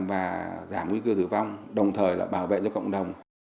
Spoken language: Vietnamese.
và giảm nguy cơ tử vong đồng thời là bảo vệ cho cộng đồng